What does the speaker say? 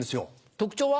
特徴は？